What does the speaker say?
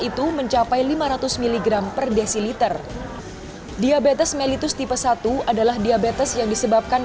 itu mencapai lima ratus mg per desiliter diabetes mellitus tipe satu adalah diabetes yang disebabkan